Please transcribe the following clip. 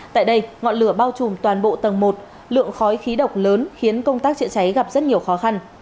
tại đây ngọn lửa bao trùm toàn bộ tầng một lượng khói khí độc lớn khiến công tác chữa cháy gặp rất nhiều khó khăn